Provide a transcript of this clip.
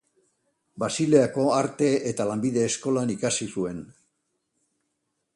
Basileako Arte eta Lanbide Eskolan ikasi zuen.